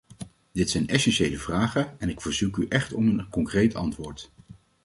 Dit zijn essentiële vragen, en ik verzoek u echt om een concreet antwoord.